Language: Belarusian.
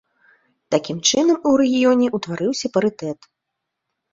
Такім чынам у рэгіёне ўтварыўся парытэт.